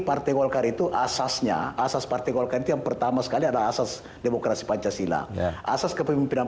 asasnya asas partai golkar yang pertama sekali adalah asas demokrasi pancasila asas kepemimpinan